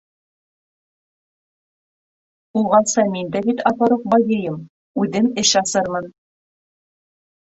- Уғаса мин дә бит апаруҡ байыйым - үҙем эш асырмын.